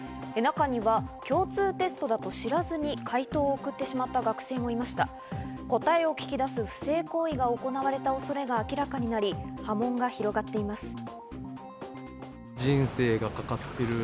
中には共通テストだと知らず、解答を送ってしまった学生も答えを聞き出す不正行為が行われた恐れが明らかになり波紋が広がっています。